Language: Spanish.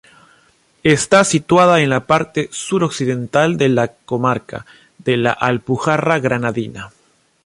Está situada en la parte suroccidental de la comarca de la Alpujarra Granadina.